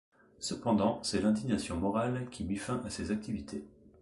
Cependant, c'est l'indignation morale qui mit fin à ses activités.